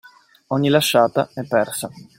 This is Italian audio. Ogni lasciata è persa.